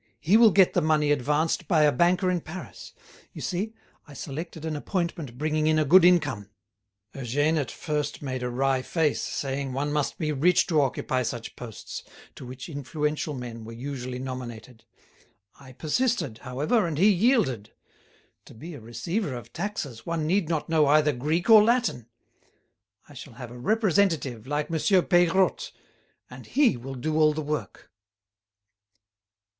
He will get the money advanced by a banker in Paris. You see, I selected an appointment bringing in a good income. Eugène at first made a wry face, saying one must be rich to occupy such posts, to which influential men were usually nominated. I persisted, however, and he yielded. To be a receiver of taxes one need not know either Greek or Latin. I shall have a representative, like Monsieur Peirotte, and he will do all the work."